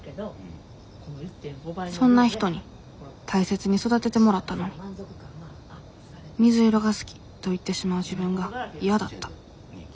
そんな人に大切に育ててもらったのに水色が好きと言ってしまう自分が嫌だった。